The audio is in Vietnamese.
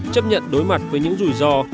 chấp nhận đối mặt với những rủi ro